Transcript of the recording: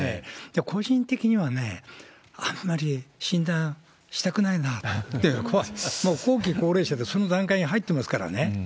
個人的には、あんまり診断したくないなって、僕はもう後期高齢者で、その段階に入ってますからね。